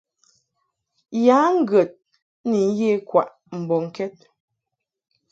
Ya ŋgəd ni ye kwaʼ mbɔŋkɛd.